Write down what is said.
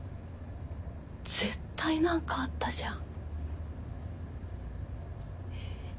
絶対何かあったじゃん。